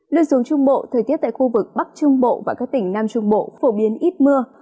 lưu xuống trung bộ thời tiết tại khu vực bắc trung bộ và các tỉnh nam trung bộ phổ biến ít mưa